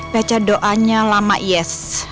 pecah doanya lama yes